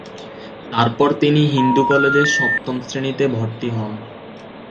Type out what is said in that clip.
তারপর তিনি হিন্দু কলেজে সপ্তম শ্রেনীতে ভর্তি হন।